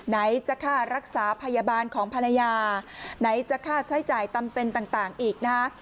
ไหนจะค่ารักษาพยาบาลของภรรยาไหนจะค่าใช้จ่ายตำเป็นต่างอีกนะฮะ